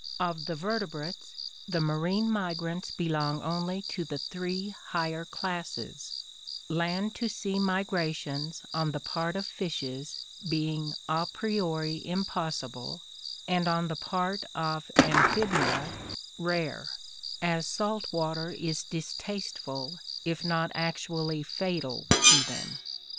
Of the vertebrates, the marine migrants belong only to the three higher classes, land to sea migrations on the part of fishes being a priori impossible and on the part of amphibia rare, as salt water is distasteful if not actually fatal to them.